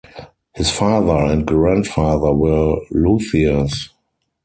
His father and grandfather were luthiers.